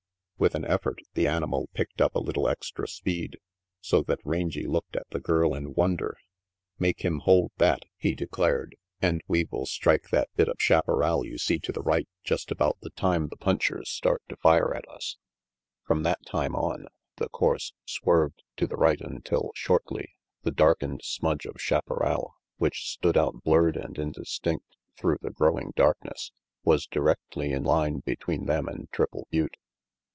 With an effort the animal picked up a little extra speed, so that Rangy looked at the girl in wonder. "Make him hold that," he declared, "and we 144 RANGY PETE will strike that bit of chaparral you see to the right just about the time the punchers start to fire at us." From that time on the course swerved to the right until shortly the darkened smudge of chaparral, which stood out blurred and indistinct through the growing darkness, was directly in line between them and Triple Butte.